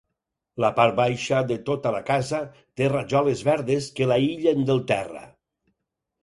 La part baixa de tota la casa té rajoles verdes que l'aïllen del terra.